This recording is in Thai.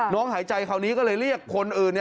หายใจคราวนี้ก็เลยเรียกคนอื่น